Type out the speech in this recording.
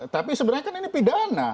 tapi sebenarnya kan ini pidana